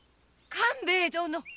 官兵衛殿！